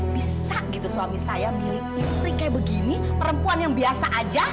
bisa gitu suami saya milik istri kayak begini perempuan yang biasa aja